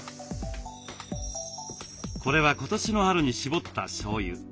これは今年の春に搾ったしょうゆ。